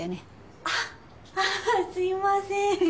あっすいません。